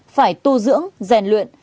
phải tu dưỡng rèn luyện